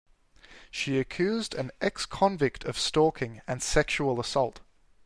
She accused an ex-convict of stalking and sexual assault.